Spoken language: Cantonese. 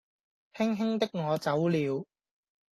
輕輕的我走了